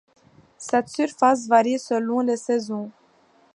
Cette surface varie selon les saisons.